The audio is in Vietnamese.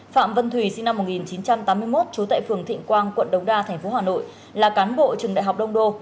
phạm vân thùy sinh năm một nghìn chín trăm tám mươi một trú tại phường thịnh quang quận đông đa tp hà nội là cán bộ trường đại học đông đô